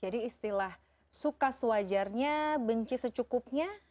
jadi istilah suka sewajarnya benci secukupnya